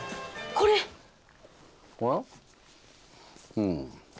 うん。